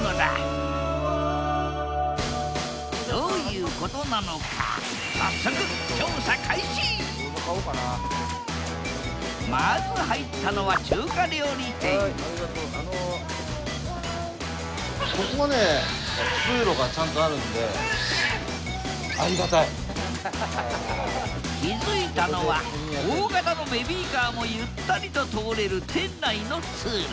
どういうことなのか早速まず入ったのは中華料理店気付いたのは大型のベビーカーもゆったりと通れる店内の通路。